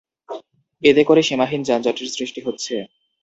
এতে করে সীমাহীন যানজটের সৃষ্টি হচ্ছে।